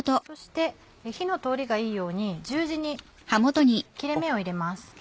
そして火の通りがいいように十字に切れ目を入れます。